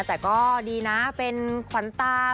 แต่ก็ดีนะเป็นขวัญตา